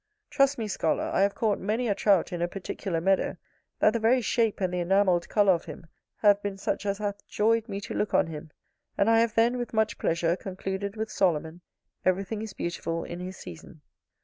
Trust me, scholar, I have caught many a Trout in a particular meadow, that the very shape and the enamelled colour of him hath been such as hath joyed me to look on him: and I have then, with much pleasure, concluded with Solomon, "Everything is beautiful in his season".